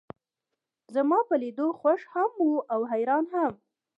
زما پۀ لیدو خوښ هم و او حیران هم.